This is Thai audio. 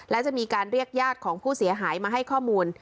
และจะมีการเรียกญาติของผู้เสียหายมาให้ข้อมูล